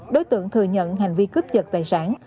đối tượng thừa nhận hành vi cướp giật tài sản